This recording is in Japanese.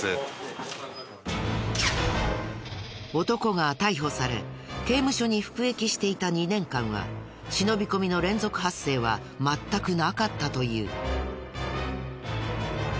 男が逮捕され刑務所に服役していた２年間は忍び込みの連続発生は全くなかったという。